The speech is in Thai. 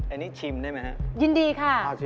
อันนี้ชิมได้ไหมฮะยินดีค่ะ